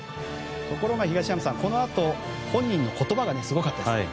ところが東山さん、このあと本人の言葉がすごかったですね。